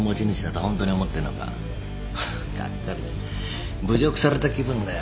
がっかりだ侮辱された気分だよ。